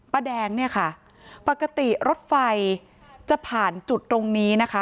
แดงเนี่ยค่ะปกติรถไฟจะผ่านจุดตรงนี้นะคะ